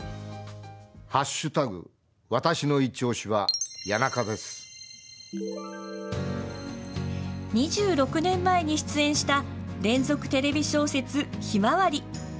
わたしのいちオシ」は２６年前に出演した連続テレビ小説「ひまわり」。